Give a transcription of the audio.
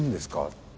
って。